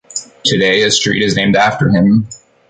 Today, a street is named after him.